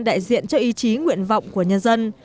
đại diện cho ý chí nguyện vọng của nhân dân